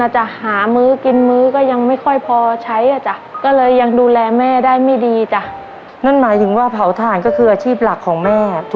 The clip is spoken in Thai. ครับครับครับครับครับครับครับครับครับครับครับ